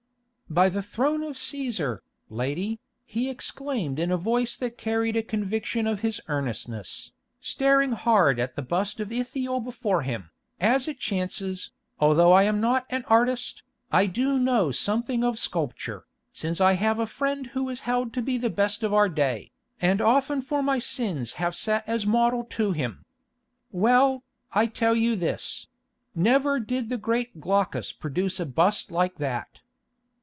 "By the throne of Cæsar, lady," he exclaimed in a voice that carried a conviction of his earnestness, staring hard at the bust of Ithiel before him, "as it chances, although I am not an artist, I do know something of sculpture, since I have a friend who is held to be the best of our day, and often for my sins have sat as model to him. Well, I tell you this—never did the great Glaucus produce a bust like that."